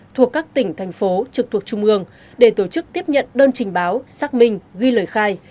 thuộc các tỉnh thành phố trực thuộc trung ương để tổ chức tiếp nhận đơn trình báo xác minh ghi lời khai